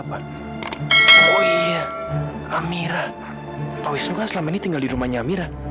pak wisnu kan selama ini tinggal di rumahnya amira